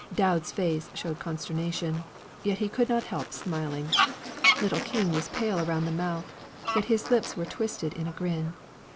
Dowd's face showed consternation, yet he could not help smiling. Little King was pale around the mouth, yet his lips were twisted in a grin.